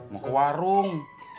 mau ke warung